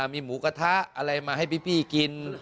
มีหมูกระทะอะไรมาให้พี่กิน